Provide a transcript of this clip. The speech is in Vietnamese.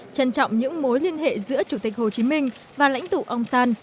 trân trọng những mối liên hệ giữa chủ tịch hồ chí minh và lãnh tụ ông san